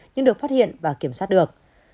nhưng được phát hiện và kiểm soát được